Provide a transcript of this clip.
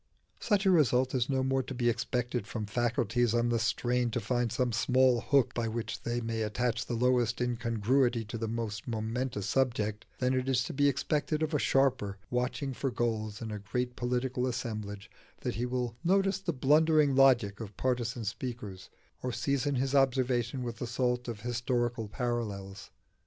Such a result is no more to be expected from faculties on the strain to find some small hook by which they may attach the lowest incongruity to the most momentous subject, than it is to be expected of a sharper, watching for gulls in a great political assemblage, that he will notice the blundering logic of partisan speakers, or season his observation with the salt of historical parallels.